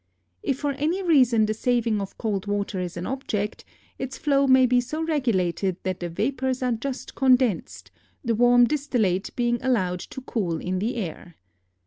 If for any reason the saving of cold water is an object, its flow may be so regulated that the vapors are just condensed, the warm distillate being allowed to cool in the air.